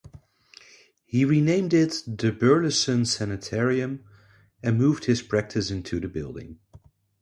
He renamed it the Burleson Sanitarium and moved his practice into the building.